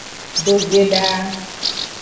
Dogbedaa.